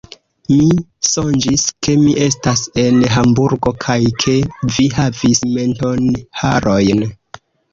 Mi sonĝis, ke mi estas en Hamburgo kaj ke vi havis mentonharojn.